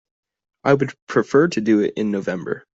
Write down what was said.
I would prefer to do it in November.